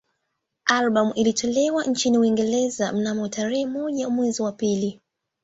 Albamu ilitolewa nchini Uingereza mnamo tarehe moja mwezi wa pili